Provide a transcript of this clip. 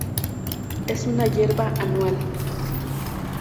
Es una hierba anual.